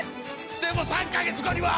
でも３か月後には！